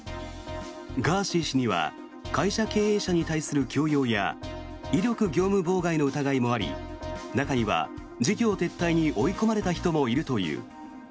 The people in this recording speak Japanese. ガーシー氏には会社経営者に対する強要や威力業務妨害の疑いもあり中には事業撤退に追い込まれた人もいるという。